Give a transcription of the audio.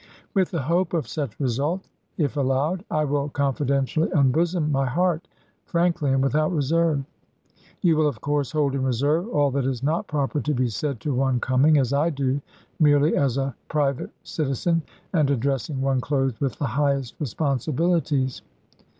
With the hope of such result, if allowed, I will confidentially unbosom my heart frankly and without reserve. You will of course hold in reserve all that is not proper to be said to one coming, as I do, merely as a private citizen and address ing one clothed with the highest responsibilities.